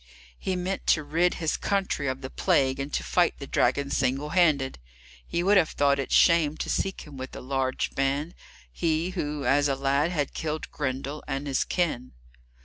He meant to rid his country of the plague, and to fight the dragon single handed. He would have thought it shame to seek him with a large band, he who, as a lad, had killed Grendel and his kin.